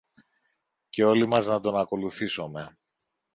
και όλοι μας να τον ακολουθήσομε.